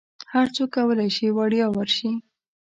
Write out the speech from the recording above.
هرڅوک کولی شي وړیا ورشي.